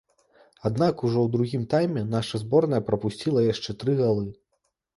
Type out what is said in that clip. Аднак ужо ў другім тайме наша зборная прапусціла яшчэ тры галы.